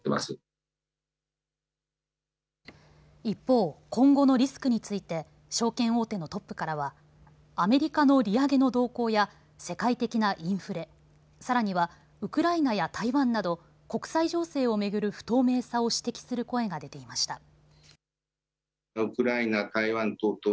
一方、今後のリスクについて証券大手のトップからはアメリカの利上げの動向や世界的なインフレ、さらにはウクライナや台湾など国際情勢を巡る不透明さを指摘する声が出ていました。